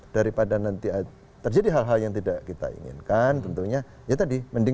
daripada nanti terjadi hal hal yang tidak kita inginkan tentunya ya tadi